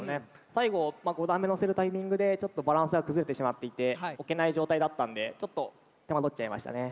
最後５段目のせるタイミングでちょっとバランスが崩れてしまっていて置けない状態だったんでちょっと手間取っちゃいましたね。